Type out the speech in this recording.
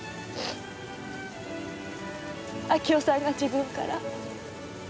明夫さんが自分から。